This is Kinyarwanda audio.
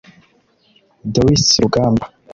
Dorcy Rugamba